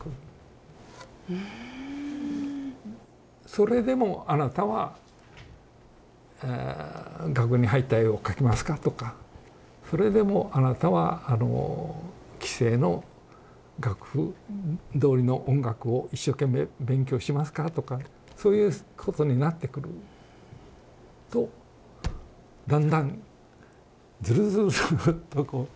「それでもあなたは額に入った絵を描きますか？」とか「それでもあなたは既成の楽譜どおりの音楽を一生懸命勉強しますか？」とかねそういうことになってくるとだんだんずるずるずるっとこう拡大していったんですよ。